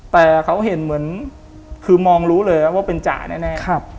แต่เขาเห็นเหมือนคือมองรู้เลยว่าเป็นจ่าแน่